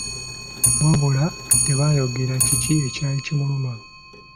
Wabula tebaayogera kiki ekyali kimuluma.